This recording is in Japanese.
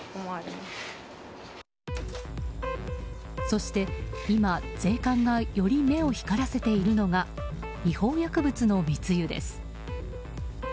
そして今、税関がより目を光らせているのが違法薬物の密輸です。